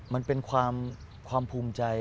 มันเป็นความภูมิใจ